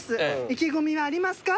意気込みはありますか？